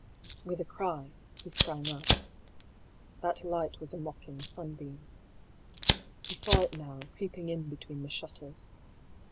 With a cry, he sprang up. That light was a mocking sunbeam. He saw it now, creeping in between the shutters.